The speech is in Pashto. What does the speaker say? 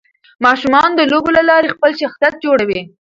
ماشومان د لوبو له لارې خپل شخصيت جوړوي.